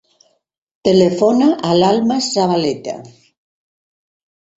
Telefona a l'Almas Zabaleta.